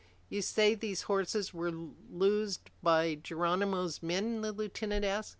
"You say these horses were loosed by Geronimo's men?" the lieutenant asked.